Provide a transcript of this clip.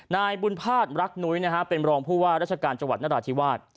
นายบุญภาษณ์รักนุ้ยนะฮะเป็นรองผู้ว่าราชการจังหวัดนราธิวาส